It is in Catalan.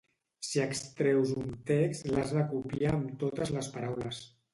Si extreus un text l'has de copiar amb totes les paraules